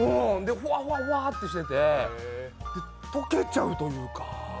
ほわほわほわってしてて溶けちゃうっていうか。